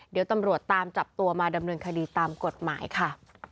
เดี๋ยวตำรวจตามจับตัวมาดำเนินคดีตามกฎหมายค่ะ